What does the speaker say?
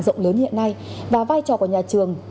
rộng lớn hiện nay và vai trò của nhà trường